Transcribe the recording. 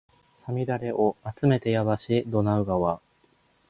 五月雨をあつめてやばしドナウ川